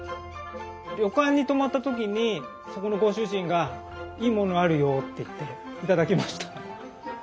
旅館に泊まった時にそこのご主人がいいものあるよって言って頂きました。